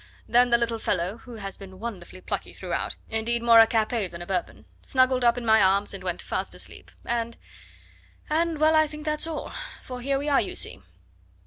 Then the little fellow who has been wonderfully plucky throughout, indeed, more a Capet than a Bourbon snuggled up in my arms and went fast asleep, and and well, I think that's all, for here we are, you see."